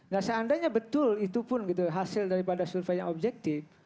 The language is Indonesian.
nah seandainya betul itu pun gitu hasil daripada survei yang objektif